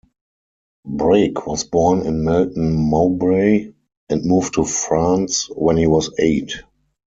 Brake was born in Melton Mowbray and moved to France when he was eight.